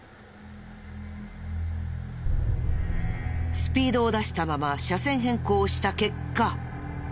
スピードを出したまま車線変更した結果。